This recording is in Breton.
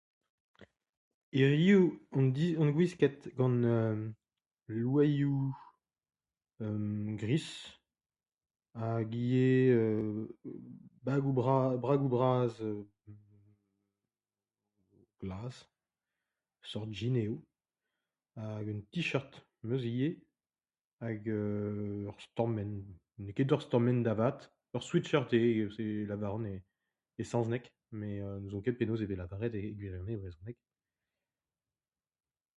Hiriv on gwisket gant loeroù euu gris hag ivez euu [bagoù bras] bragoù bras... glas.. ur seurt jeans eo hag un ticheurt 'm eus ivez hag euu ur stammenn. N'eo ket ur stammenn da vat ur swetcheurt eo evel ma lavaront e saozneg met n'ouzon ket penaos e vez lavaret e gwirionez e brezhoneg